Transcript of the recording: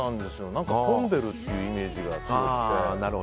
混んでいるというイメージが強くて。